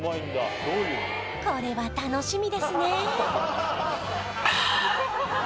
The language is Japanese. これは楽しみですねああ